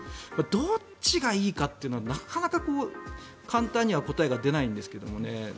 どっちがいいかっていうのはなかなか簡単には答えが出ないんですけどね。